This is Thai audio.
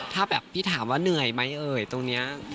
ถ้าแบบพี่ถามว่าเหนื่อยไหมเอ่ยตรงนี้